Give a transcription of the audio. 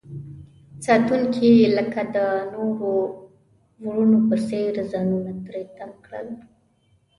ساتونکي لکه د نورو ورونو په څیر ځانونه تری تم کړل.